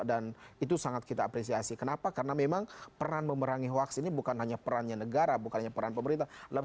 dan itu sangat kita apresiasi kenapa karena memang peran memerangi hoax ini bukan hanya perannya negara bukan hanya peran pemerintah